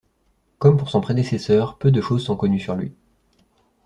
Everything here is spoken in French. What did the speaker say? Comme pour son prédécesseur, peu de choses sont connues sur lui.